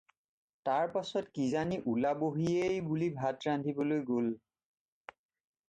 তাৰ পাচত কিজানি ওলাবহিয়েই বুলি ভাত ৰান্ধিবলৈ গ'ল।